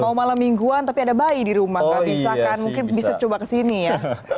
mau malam mingguan tapi ada bayi di rumah nggak bisa kan mungkin bisa coba kesini ya